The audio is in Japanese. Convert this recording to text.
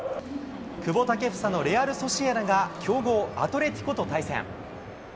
久保建英のレアルソシエダが、強豪、アトレティコと対戦。